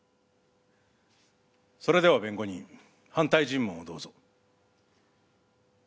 それでは弁護人反対尋問をどうぞ。